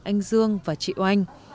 anh dương và chị oanh